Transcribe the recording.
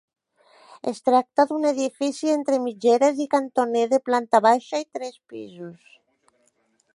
Es tracta d'un edifici entre mitgeres i cantoner de planta baixa i tres pisos.